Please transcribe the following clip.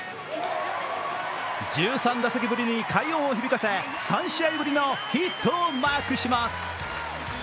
１３打席ぶりに快音を響かせ３試合ぶりのヒットをマークします